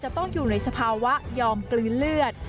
ต้องอยู่ในสภาวะยอมกลืนเลือด